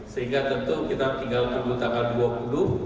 sehingga tentu kita tinggal tunggu tanggal dua puluh